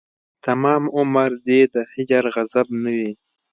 تمام عمر دې د هجر غضب نه وي